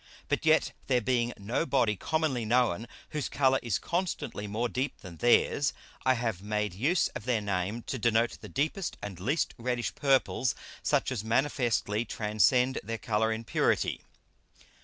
But yet there being no Body commonly known whose Colour is constantly more deep than theirs, I have made use of their Name to denote the deepest and least reddish Purples, such as manifestly transcend their Colour in purity.